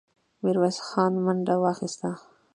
ميرويس خان منډه واخيسته.